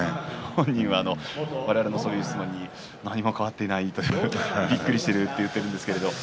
本人は我々のそういった質問に何も変わっていないびっくりしていると言ってるんですが。